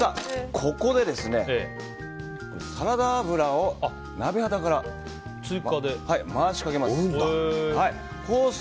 ここでサラダ油を鍋肌から回しかけます。